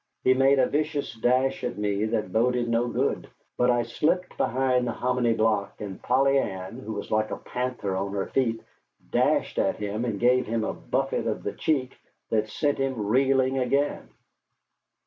He made a vicious dash at me that boded no good, but I slipped behind the hominy block; and Polly Ann, who was like a panther on her feet, dashed at him and gave him a buffet in the cheek that sent him reeling again.